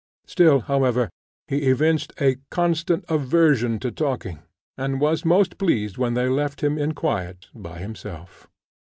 Still, however, he evinced a constant aversion to talking, and was most pleased when they left him in quiet by himself.